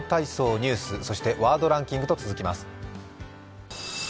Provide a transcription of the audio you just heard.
ニュースそしてワードランキングと続きます。